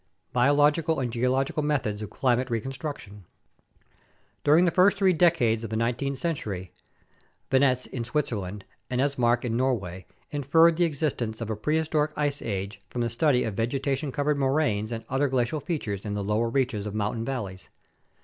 Biological and Geological Methods of Climate Reconstruction During the first three decades of the nineteenth century, Venetz in Switzerland and Esmark in Norway inferred the existence of a pre historic ice age from the study of vegetation covered moraines and other glacial features in the lower reaches of mountain valleys.